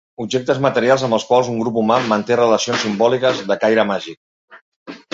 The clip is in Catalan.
Objectes materials amb els quals un grup humà manté relacions simbòliques de caire màgic.